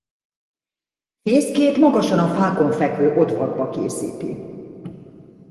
Fészkét magasan a fákon levő odvakba készíti.